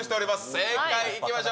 正解いきましょう。